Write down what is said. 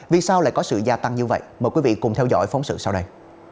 vì sao lại có sự gia tăng như vậy mời quý vị cùng theo dõi phóng sự sau đây